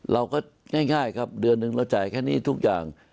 เราก็ง่ายครับเดือนหนึ่งเราจ่ายแค่นี้ทุกอย่าง